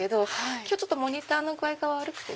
今日モニターの具合が悪くて。